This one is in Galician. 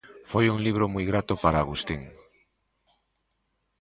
Foi un libro moi grato para Agustín.